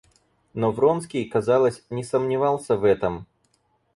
Но Вронский, казалось, не сомневался в этом.